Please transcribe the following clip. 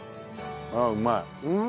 あっうまい。